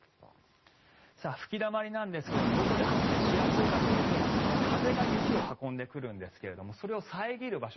吹きだまりなんですがどこで発生しやすいかというと風が雪を運んでくるんですがそれを遮る場所